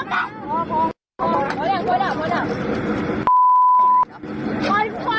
โดดมาโดดมา